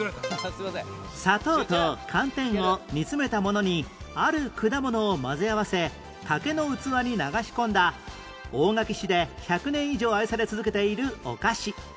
砂糖と寒天を煮詰めたものにある果物を混ぜ合わせ竹の器に流し込んだ大垣市で１００年以上愛され続けているお菓子